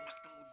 gak tau juga